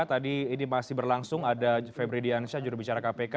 tadi ini masih berlangsung ada febri diansyah jurubicara kpk